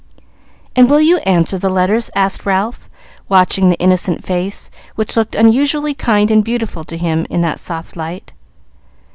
"And will you answer the letters?" asked Ralph, watching the innocent face, which looked unusually kind and beautiful to him in that soft light.